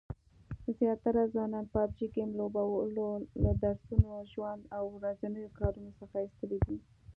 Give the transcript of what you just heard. زیاتره ځوانان پابجي ګیم لوبولو له درسونو، ژوند او ورځنیو کارونو څخه ایستلي دي